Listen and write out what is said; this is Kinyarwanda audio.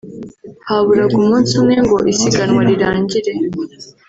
Haburaga umunsi umwe ngo isiganwa rirangire